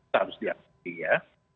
harus diakui ya